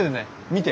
見て。